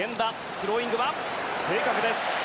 スローイング正確です。